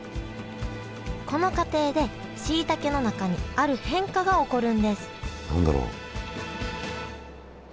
この過程でしいたけの中にある変化が起こるんです何だろう？